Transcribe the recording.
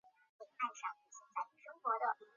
宣统二年工科进士。